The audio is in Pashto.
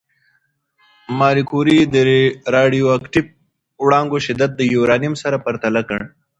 ماري کوري د راډیواکټیف وړانګو شدت د یورانیم سره پرتله کړ.